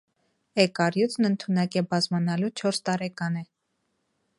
Էգ առիւծն ընդունակ է բազմանալու չորս տարեկանէ։